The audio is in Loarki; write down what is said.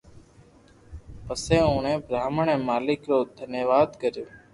پسي اوڻي براھمڻ اي مالڪ رو دھنيواد ڪريو